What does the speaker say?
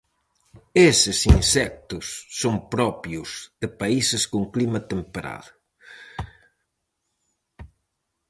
Eses insectos son propios de países con clima temperado.